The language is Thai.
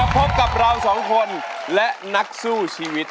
พบกับเราสองคนและนักสู้ชีวิต